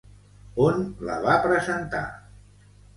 On la va presentar?